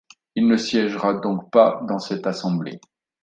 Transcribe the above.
Il ne siégea donc pas dans cette Assemblée.